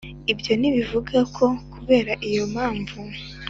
ibyo ntibivuga ko kubera iyo mpamvu,